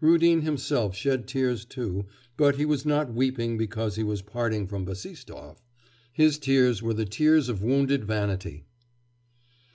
Rudin himself shed tears too, but he was not weeping because he was parting from Bassistoff. His tears were the tears of wounded vanity.